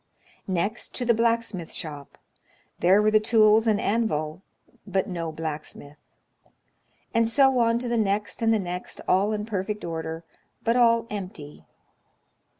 Next, to the blacksmith shop: there were the tools and anvil, but no blacksmith. And so on to the next and the next, all in perfect order, but all empty.